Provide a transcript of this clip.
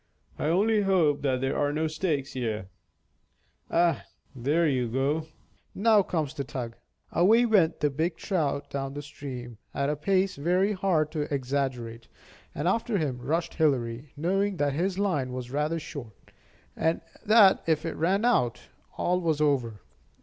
I only hope that there are no stakes here. Ah, there you go! Now comes the tug." Away went the big trout down the stream, at a pace very hard to exaggerate, and after him rushed Hilary, knowing that his line was rather short, and that if it ran out, all was over.